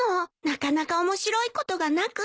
なかなか面白いことがなくって。